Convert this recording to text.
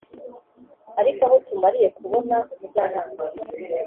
Ariko aho tumariye kubona umujyanama